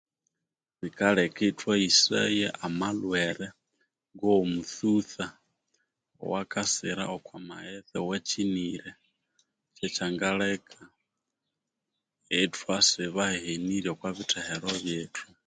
Bikaleka ithwayisaya amalhwere awo omutsutsa owakasira okwa maghetse awakyinire, ekyangaleka ithwasiba aha henirye okwa bithero byethu.